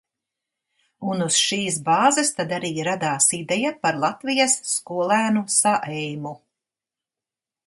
Un uz šīs bāzes tad arī radās ideja par Latvijas Skolēnu Saeimu.